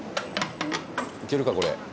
いけるかこれ。